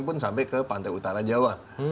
pun sampai ke pantai utara jawa